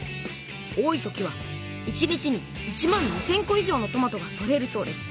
多い時は１日に１万２，０００個以上のトマトが取れるそうです。